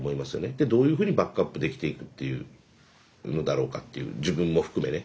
でどういうふうにバックアップできていくっていうのだろうかっていう自分も含めね。